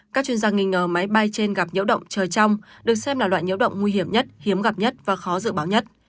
các chuyên gia nghi ngờ máy bay trên gặp nhiễu động chờ trong được xem là loại nhiễu động nguy hiểm nhất hiếm gặp nhất và khó dự báo nhất